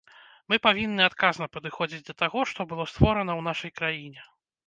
Мы павінны адказна падыходзіць да таго, што было створана ў нашай краіне.